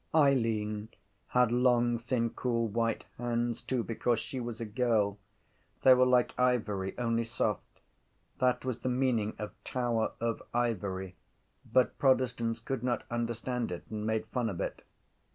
Eileen had long thin cool white hands too because she was a girl. They were like ivory; only soft. That was the meaning of Tower of Ivory but protestants could not understand it and made fun of it.